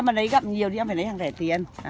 em mà lấy gặm nhiều đi em phải lấy hàng rẻ tiền